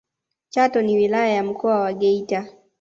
chato ni wilaya ya mkoa wa geita